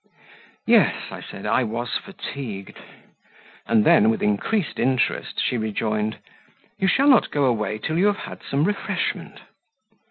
"Yes," I said, "I was fatigued;" and then, with increased interest, she rejoined, "You shall not go away till you have had some refreshment."